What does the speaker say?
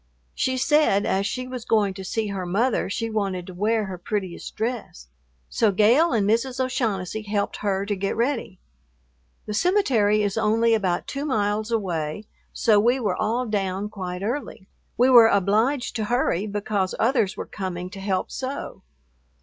She said as she was going to see her mother she wanted to wear her prettiest dress, so Gale and Mrs. O'Shaughnessy helped her to get ready. The cemetery is only about two miles away, so we were all down quite early. We were obliged to hurry because others were coming to help sew.